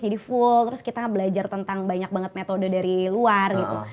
jadi full terus kita belajar tentang banyak banget metode dari luar gitu